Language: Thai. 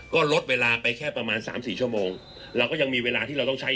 ก็ลดเวลาไปแค่ประมาณสามสี่ชั่วโมงเราก็ยังมีเวลาที่เราต้องใช้